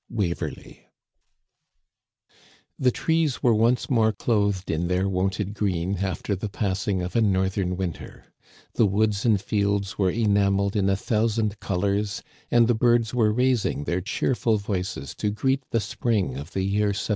Waverley, The trees were once more clothed in their wonted green after the passing of a northern winter. The woods and fields were enameled in a thousand colors, and the birds were raising their cheerful voices to greet the spring of the year 1759.